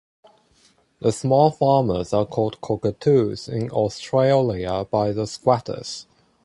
The small farmers are called cockatoos in Australia by the squatters.